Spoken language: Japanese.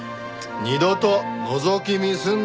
二度とのぞき見すんなよ！